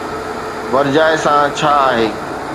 ورجائي سان ڇا آهي؟